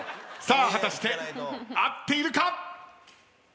さあ果たして合っているか！？